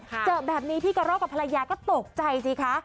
เจอแบบนี้พี่กระรอกกับภรรยาก็ตกใจสิคะ